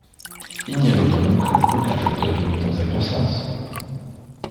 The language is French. Il n’y avait donc aucun facteur limitant sa croissance.